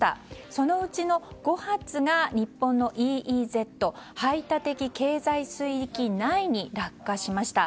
そのうちの５発が日本のＥＥＺ・排他的経済水域内に落下しました。